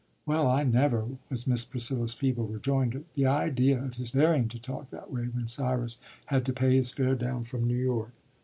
'" "Well, I never!" was Miss Priscilla's feeble rejoinder. "The idea of his daring to talk that way when Cyrus had to pay his fare down from New York."